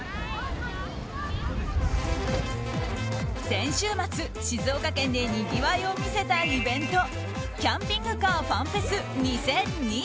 先週末、静岡県でにぎわいを見せたイベントキャンピングカーファンフェス２０２２。